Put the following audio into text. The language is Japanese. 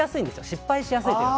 失敗しやすいというか。